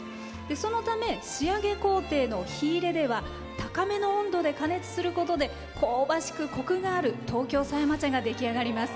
そのため仕上げ工程の火入れでは高めの温度で加熱することで香ばしくコクがある東京狭山茶が出来上がります。